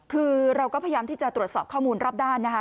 คือเราก็พยายามที่จะตรวจสอบข้อมูลรอบด้านนะคะ